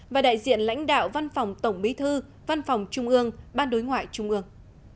và đại diện lãnh đạo văn phòng tổng bí thư văn phòng trung ương ban đối ngoại trung ương